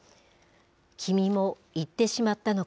君も逝ってしまったのか。